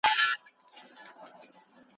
د چینایانو کاري ځواک خورا زیات دی.